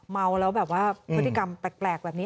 เมาแล้วพฤติกรรมแปลกแบบนี้